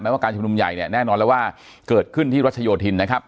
ว่าการชุมนุมใหญ่เนี่ยแน่นอนแล้วว่าเกิดขึ้นที่รัชโยธินนะครับ